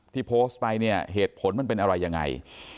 ที่โพสต์ไปเนี่ยเหตุผลมันเป็นอะไรยังไง